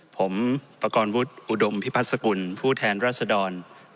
ผมปกรณ์วุฒิอุดมภิพศกลผู้แทนรัฐสดอง